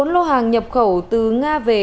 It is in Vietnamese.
bốn lô hàng nhập khẩu từ nga về